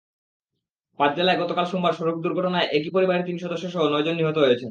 পাঁচ জেলায় গতকাল সোমবার সড়ক দুর্ঘটনায় একই পরিবারের তিন সদস্যসহ নয়জন নিহত হয়েছেন।